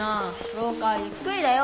ろう下はゆっくりだよ。